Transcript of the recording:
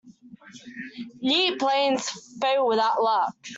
Neat plans fail without luck.